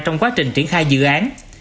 trong quá trình triển khai dự án